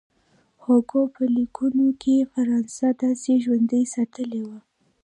هوګو په لیکونو کې فرانسه داسې ژوندۍ ساتلې وه.